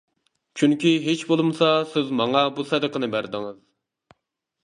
چۈنكى ھېچ بولمىسا سىز ماڭا بۇ سەدىقىنى بەردىڭىز.